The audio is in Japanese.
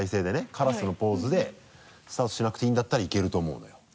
カラスのポーズでスタートしなくていいんだったらいけると思うのよ。